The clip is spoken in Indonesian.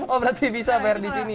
oh berarti bisa bayar di sini